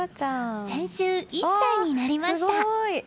先週、１歳になりました。